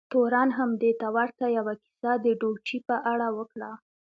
تورن هم دې ته ورته یوه کیسه د ډوچي په اړه وکړه.